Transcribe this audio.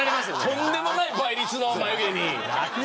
とんでもない倍率のまゆ毛に。